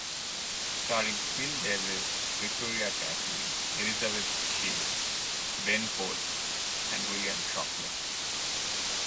Starring Phil Davis, Victoria Catlin, Elizabeth She, Ben Cole, and William Shockley.